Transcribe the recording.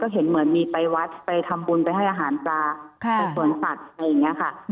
เห็นเหมือนมีไปวัดไปทำบุญไปให้อาหารปลาไปสวนสัตว์อะไรอย่างนี้ค่ะ